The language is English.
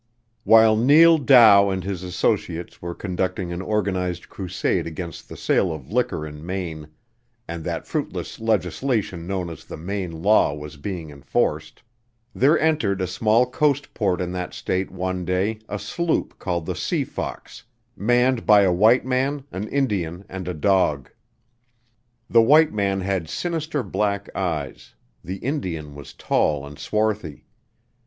While Neal Dow and his associates were conducting an organized crusade against the sale of liquor in Maine, and that fruitless legislation known as the Maine Law was being enforced, there entered a small coast port in that State one day a sloop called the Sea Fox, manned by a white man, an Indian and a dog. The white man had sinister black eyes; the Indian was tall and swarthy.